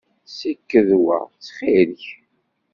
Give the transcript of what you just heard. Ssiked wa, ttxil-k.